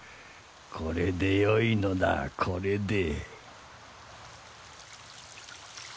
これでよいのだこれで。